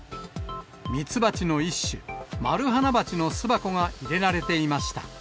ミツバチの一種、マルハナバチの巣箱が入れられていました。